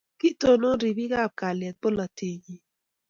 Kitonon ribik ab kalyet polatet nyi.